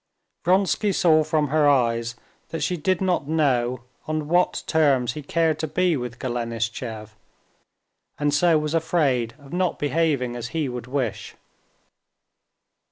Vronsky saw from her eyes that she did not know on what terms he cared to be with Golenishtchev, and so was afraid of not behaving as he would wish.